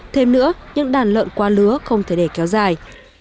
thêm nữa những đàn lợn qua lứa không thể để kéo dài